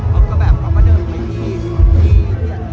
เขาก็แบบเขาก็เดินไปดีกว่าอย่างที่เขาแล้ว